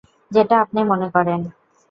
যেটা আপনি মনে করেন।